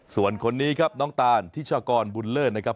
ส่วนคนนี้ครับน้องตานทิชากรบุญเลิศนะครับ